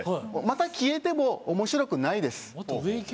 また消えてもおもしろくないです。